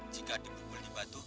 jangan berani kamu